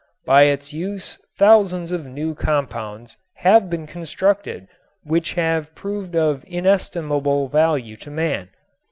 By its use thousands of new compounds have been constructed which have proved of inestimable value to man.